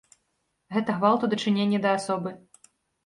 Гэта гвалт у дачыненні да асобы.